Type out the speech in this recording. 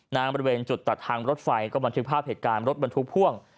บริเวณจุดตัดทางรถไฟก็บันทึกภาพเหตุการณ์รถบรรทุกพ่วง